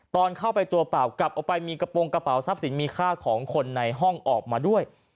ตอนเข้าไปตัวเปล่ากลับออกไปมีกระโปรงกระเป๋าทรัพย์สินมีค่าของคนในห้องออกมาด้วย